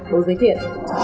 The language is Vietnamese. đối với thiện